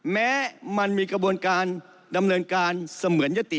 แม้มันมีกระบวนการดำเนินการเสมือนยติ